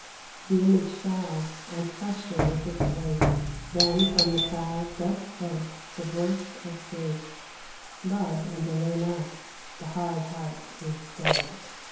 The image fell, and crushed her with its weight. Then from the cloud thus spoke the voice of Fate: "Love, and delay not: the hard heart is dead."